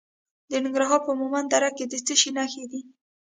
د ننګرهار په مومند دره کې د څه شي نښې دي؟